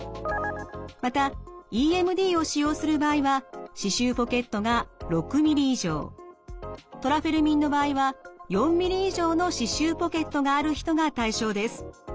またＥＭＤを使用する場合は歯周ポケットが６ｍｍ以上トラフェルミンの場合は４ｍｍ以上の歯周ポケットがある人が対象です。